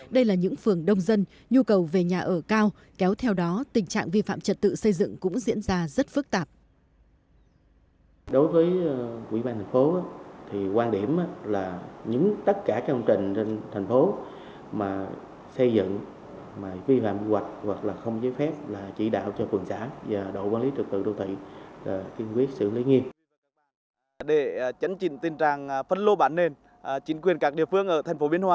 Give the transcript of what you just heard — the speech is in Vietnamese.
đây là những phường đông dân nhu cầu về nhà ở cao kéo theo đó tình trạng vi phạm trật tự xây dựng cũng diễn ra rất phức tạp